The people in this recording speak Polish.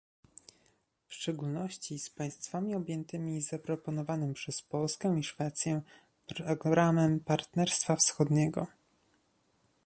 W szczególności z państwami objętymi zaproponowanym przez Polskę i Szwecję programem Partnerstwa Wschodniego